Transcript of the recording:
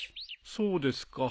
そうですか。